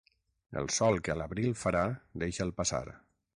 El sol que a l'abril farà, deixa'l passar.